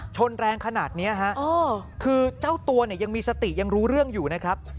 ชนแรงขนาดนี้ฮะคือเจ้าตัวเนี่ยยังมีสติยังรู้เรื่องอยู่นะครับ